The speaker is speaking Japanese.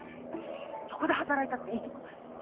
どこで働いたっていいと思います。